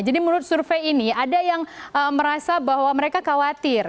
jadi menurut survei ini ada yang merasa bahwa mereka khawatir